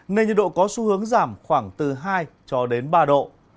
nên nhiệt độ có xu hướng giảm khoảng từ hai ba độ